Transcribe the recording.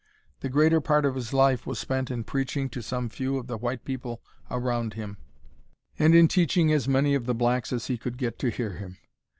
The greater part of his life was spent in preaching to some few of the white people around him, and in teaching as many of the blacks as he could get to hear him.